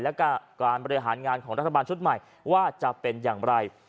และการบริหารงานของรัฐบาลชุดใหม่ว่าจะเป็นอย่างไร